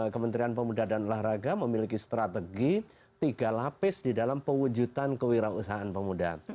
kementerian pemuda dan olahraga memiliki strategi tiga lapis di dalam pewujudan kewirausahaan pemuda